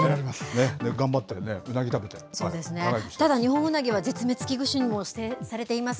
頑張ってね、ただ、ニホンウナギは絶滅危惧種にも指定されています。